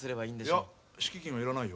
いや敷金はいらないよ。